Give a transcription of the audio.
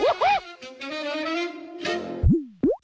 ฮู้ฮ่า